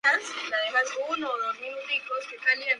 Se manejaron dos propuestas.